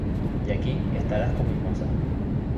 y aquí estarás con mis mozas.